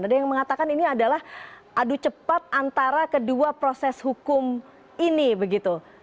ada yang mengatakan ini adalah adu cepat antara kedua proses hukum ini begitu